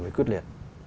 phải quyết liệt